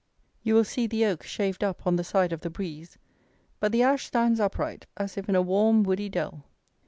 You will see the oak shaved up on the side of the breeze. But the ash stands upright, as if in a warm woody dell.